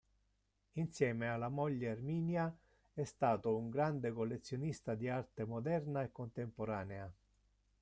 Insieme alla moglie Erminia è stato un grande collezionista di arte moderna e contemporanea.